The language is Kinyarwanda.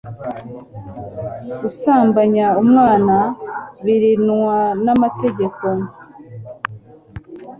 gusambanya umwana birnwa namategeko